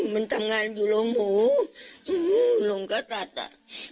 มันทำงานอยู่โรงหมูโรงก็ตัดอ่ะ